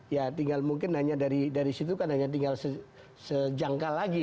ya tinggal mungkin hanya dari situ kan hanya tinggal sejangka lagi